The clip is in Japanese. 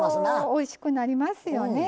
おいしくなりますよね。